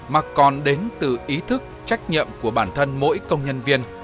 mà còn đến từ ý thức trách nhiệm của bản thân mỗi công nhân viên